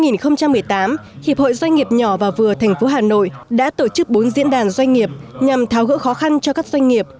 năm hai nghìn một mươi tám hiệp hội doanh nghiệp nhỏ và vừa tp hà nội đã tổ chức bốn diễn đàn doanh nghiệp nhằm tháo gỡ khó khăn cho các doanh nghiệp